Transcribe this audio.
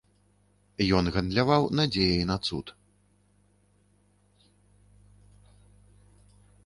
Ён гандляваў надзеяй на цуд.